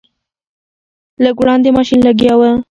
لږ وړاندې ماشین لګیا و.